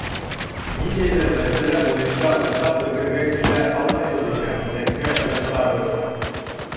Ниндәйҙер мәсьәлә буйынса уртаҡ фекергә килә алмайбыҙ икән, тәңкә ырғытабыҙ.